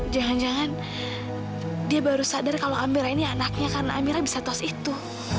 jangan jangan dia baru sadar kalau amira ini anaknya karena amira bisa tos itu